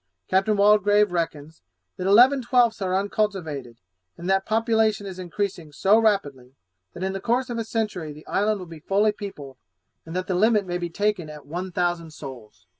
Captain Waldegrave reckons, that eleven twelfths are uncultivated, and that population is increasing so rapidly, that in the course of a century the island will be fully peopled, and that the limit may be taken at one thousand souls.